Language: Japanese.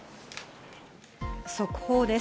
速報です。